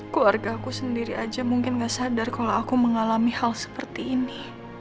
keluarga aku sendiri aja mungkin gak sadar kalau aku mengalami hal seperti ini